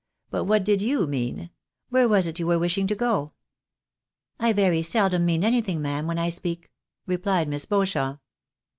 But what did you mean ? Where was it you were wishing to go ?"" I very seldom mean anything, ma'am, when I speak," replied Miss Beauchamp.